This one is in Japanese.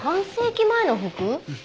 うん。